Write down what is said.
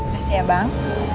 terus ya bang